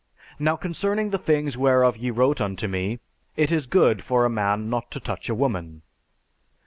Now concerning the things whereof ye wrote unto me: It is good for a man not to touch a woman.